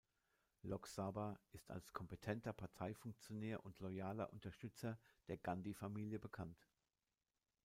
Lok Sabha und ist als kompetenter Parteifunktionär und loyaler Unterstützer der Gandhi-Familie bekannt.